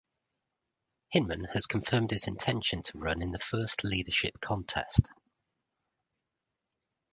Hinman has confirmed his intention to run in the first leadership contest.